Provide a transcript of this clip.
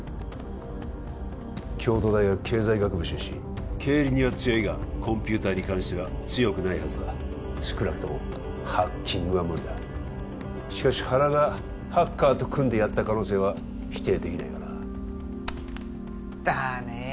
京都大学経済学部出身経理には強いがコンピューターに関しては強くないはずだ少なくともハッキングは無理だしかし原がハッカーと組んでやった可能性は否定できないがなだねえ